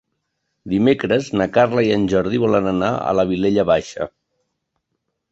Dimecres na Carla i en Jordi volen anar a la Vilella Baixa.